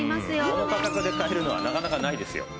この価格で買えるのはなかなかないですよ。